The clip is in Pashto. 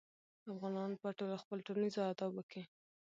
افغانان په خپلو ټولنیزو غونډو کې د "ادب" او "اخلاقو" جدي پاملرنه کوي.